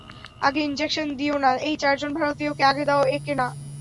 আগে ইনজেকশন দিয়ো না, এই চারজন ভারতীয়কে আগে দাও একে না।